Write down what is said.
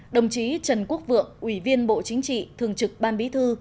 đồng chí trần quốc vượng ủy viên bộ chính trị thường trực ban bí thư